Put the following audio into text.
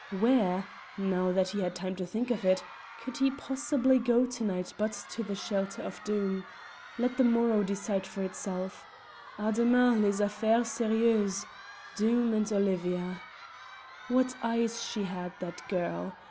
Where (now that he had time to think of it) could he possibly go to night but to the shelter of Doom? Let the morrow decide for itself. À demain les affaires sérieuses! Doom and Olivia. What eyes she had, that girl!